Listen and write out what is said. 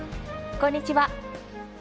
こんにちは。